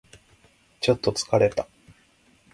ちょっと疲れた